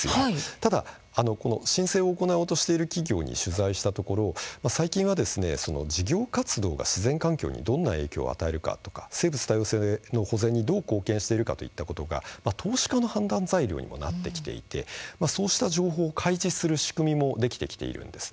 ただ申請を行おうとしている企業に取材したところ最近は事業活動が自然活動にどんな影響を与えるかとか生物多様性の保全へどう貢献しているかということが投資家の判断材料にもなってきていてそうした情報を開示する仕組みもできてきているんです。